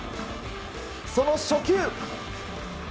その初球。